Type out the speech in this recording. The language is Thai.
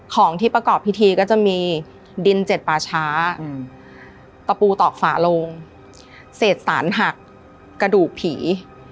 ของที่ประกอบพิธีก็จะมีดินเจ็ดป่าช้าตะปูตอกฝาโลงเศษสารหักกระดูกผี